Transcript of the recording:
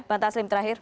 pak taslim terakhir